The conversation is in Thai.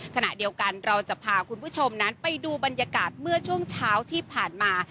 ขณะเดียวกันเราจะพาคุณผู้ชมนั้นไปดูบรรยากาศเมื่อช่วงเช้าที่ผ่านมา